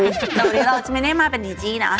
แต่วันนี้เราจะไม่ได้มาเป็นนีจี้นะ